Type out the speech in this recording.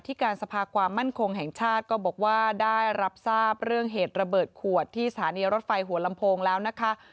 การสภาความมั่นคงแห่งชาติก็บอกว่าได้รับทราบเรื่องเหตุระเบิดขวดที่สถานีรถไฟหัวลำโพงแล้วนะคะ